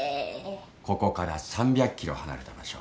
ここから３００ｋｍ離れた場所